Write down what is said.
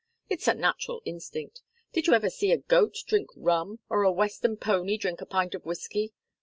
It's a natural instinct. Did you ever see a goat drink rum, or a Western pony drink a pint of whiskey?